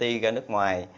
đi ra nước ngoài